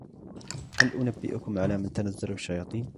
هَلْ أُنَبِّئُكُمْ عَلَى مَنْ تَنَزَّلُ الشَّيَاطِينُ